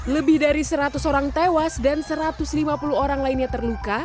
lebih dari seratus orang tewas dan satu ratus lima puluh orang lainnya terluka